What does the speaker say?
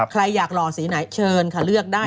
ใครอยากหล่อสีไหนเชิญค่ะเลือกได้